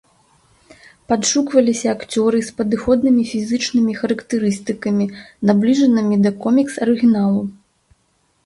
Падшукваліся акцёры з падыходнымі фізічнымі характарыстыкамі, набліжанымі да комікс-арыгіналу.